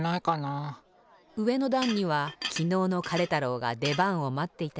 うえのだんにはきのうのカレ太郎がでばんをまっていたり。